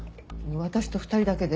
私と２人だけで？